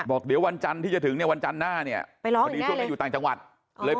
บอกวันจันที่จะถึงวันจันที่หน้าควรประจำผมอยู่ต่างจังหวัดเลย